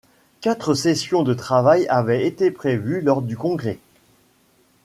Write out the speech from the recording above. Quatre sessions de travail avaient été prévues lors du congrès.